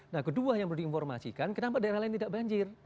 nah kedua yang perlu diinformasikan kenapa daerah lain tidak banjir